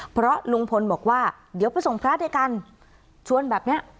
เพราะลุงพลบอกว่าเดี๋ยวไปส่งพระด้วยกันชวนแบบเนี้ย